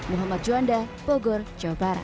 muhammad juanda bogor jawa barat